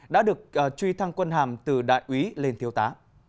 đã được truy thăng quân hàm từ đại úy lên thiếu tá